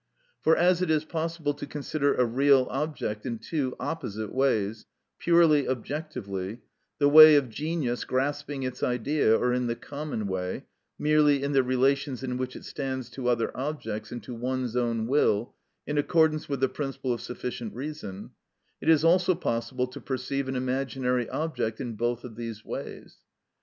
For as it is possible to consider a real object in two opposite ways, purely objectively, the way of genius grasping its Idea, or in the common way, merely in the relations in which it stands to other objects and to one's own will, in accordance with the principle of sufficient reason, it is also possible to perceive an imaginary object in both of these ways.